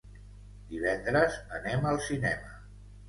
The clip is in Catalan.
Divendres anem al cinema.